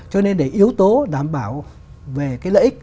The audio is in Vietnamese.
cho nên để yếu tố đảm bảo về cái lợi ích